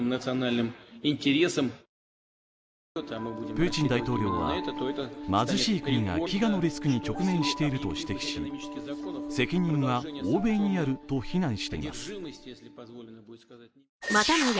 プーチン大統領は貧しい国が飢餓のリスクに直面していると指摘し責任は欧米にあると非難しています。